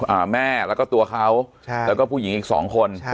อ่าแม่แล้วก็ตัวเขาใช่แล้วก็ผู้หญิงอีกสองคนใช่